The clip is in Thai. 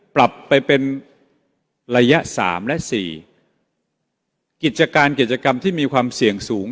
ปรับไปเป็นระยะสามและสี่กิจการกิจกรรมที่มีความเสี่ยงสูง